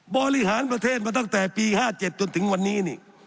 บริหารประเทศมาตั้งแต่ปี๕๗จนถึงวันนี้นี่